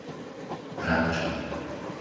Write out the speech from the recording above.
Rabča